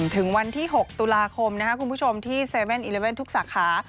ถึงวันที่๖ตุลาคมนะครับคุณผู้ชมที่๗๑๑ทุกสาขา